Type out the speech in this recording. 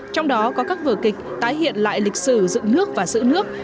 trong đó có các vở kịch tái hiện lại lịch sử dựng nước và giữ nước